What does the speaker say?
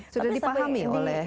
sudah dipahami oleh